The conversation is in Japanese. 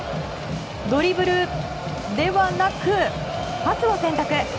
ドリブルではなくパスを選択。